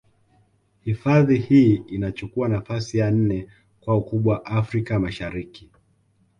Hifadhi hii inachuku nafasi ya nne kwa ukubwa Afrika Mashariki